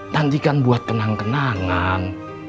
nanti kan buat kenangan kenangan